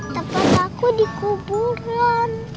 tempat aku dikuburan